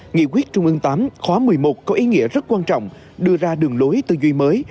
nghị quyết trung ương viii khóa một mươi một có ý nghĩa rất quan trọng đưa ra đường lối tư duy mới